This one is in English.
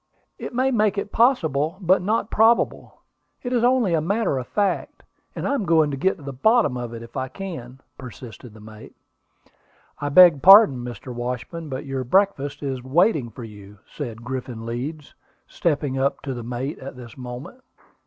"It may make it possible, but not probable. It is only a matter of fact, and I am going to get to the bottom of it if I can," persisted the mate. "I beg pardon, Mr. Washburn, but your breakfast is waiting for you," said Griffin Leeds, stepping up to the mate at this moment.